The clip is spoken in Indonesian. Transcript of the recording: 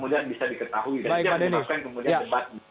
jadi yang dimaksudkan kemudian debat